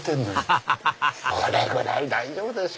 ハハハハこれぐらい大丈夫でしょ！